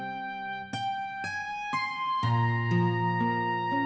ya pak pak pakinya hilang betul